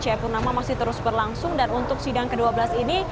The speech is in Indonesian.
saya pun nama masih terus berlangsung dan untuk sidang ke dua belas ini